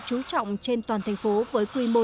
chú trọng trên toàn thành phố với quy mô